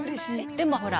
でもほら。